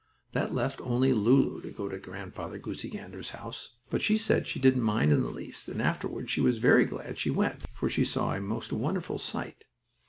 That left only Lulu to go to Grandfather Goosey Gander's house, but she said she didn't mind in the least, and afterward she was very glad she went, for she saw a most wonderful sight.